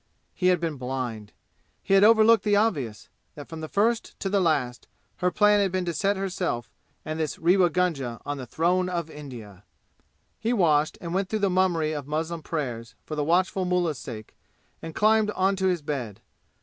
He had been blind. He had overlooked the obvious that from first to last her plan had been to set herself and this Rewa Gunga on the throne of India! He washed and went through the mummery of muslim prayers for the watchful mullah's sake, and climbed on to his bed.